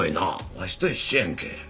わしと一緒やんけ。